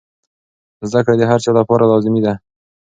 زده کړه د هر چا لپاره لازمي ده.